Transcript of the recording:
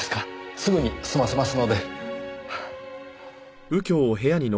すぐに済ませますので。